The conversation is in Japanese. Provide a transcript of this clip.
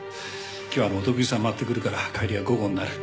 今日はお得意さん回ってくるから帰りは午後になる。